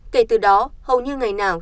kể từ đó hầu như ngày nào